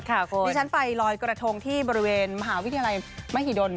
ดิฉันไปลอยกระทงที่บริเวณมหาวิทยาลัยมหิดล